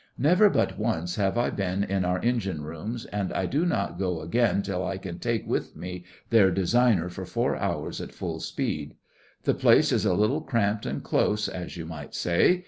Never but once have I been in our engine rooms; and I do not go again till I can take with me their designer for four hours at full speed. The place is a little cramped and close, as you might say.